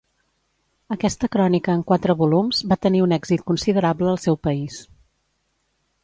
Aquesta crònica en quatre volums va tenir un èxit considerable al seu país.